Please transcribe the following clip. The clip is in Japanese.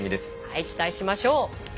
期待しましょう。